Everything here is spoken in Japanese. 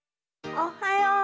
おはよう。